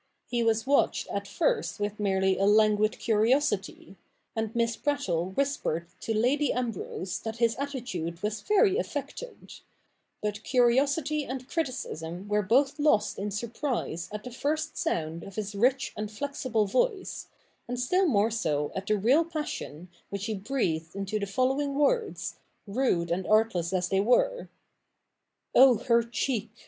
He was watched at first with merely a languid curiosity ; and Miss Prattle whispered to Lady Ambrose that his attitude was very affected ; but curiosity and criticism were both lost in surprise at the first sound of his rich and flexible voice, and still more so at the real passion which he breathed into the following words, rude and artless as they were :— Oh^ her cheek, he?